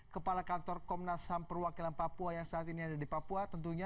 kepala kantor komnas ham perwakilan papua yang saat ini ada di papua tentunya